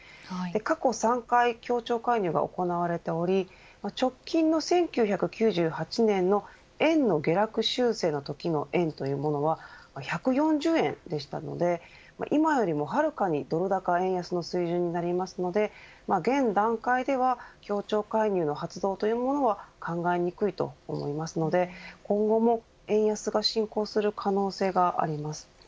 過去３回協調介入が行われており直近の１９９８年の円の下落修正のときの円というのは１４０円でしたので今よりもはるかにドル高円安の水準になるので現段階では協調介入の発動は考えにくいと思いますので今後も円安が進行する可能性があります。